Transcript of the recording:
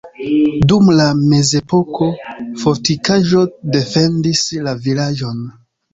Dum la mezepoko fortikaĵo defendis la vilaĝon.